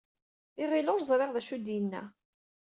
Iɣil ur ẓriɣ d acu ay d-yenna.